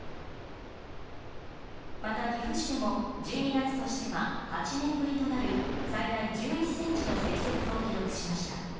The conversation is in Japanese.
また岐阜市でも、１２月としては８年ぶりとなる、最大１１センチの積雪を記録しました。